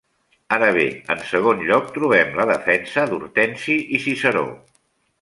Ara bé, en segon lloc, trobem la defensa d'Hortensi i Ciceró.